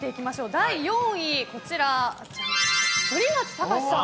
第４位、反町隆史さん。